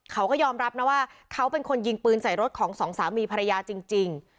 เขาก็ยอมรับนะว่าเขาเป็นคนยิงปืนใส่รถของสองสามีภรรยาจริง